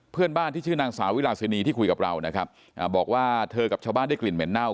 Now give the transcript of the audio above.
เพื่อนบ้านที่ชื่อนางสาวิราชินีที่คุยกับเรานะครับบอกว่าเธอกับชาวบ้านได้กลิ่นเหม็นเน่า